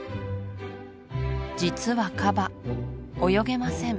実はカバ泳げません